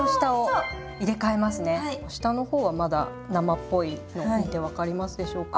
下の方はまだ生っぽいの見て分かりますでしょうか？